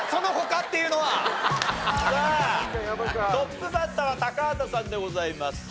さあトップバッターは高畑さんでございます。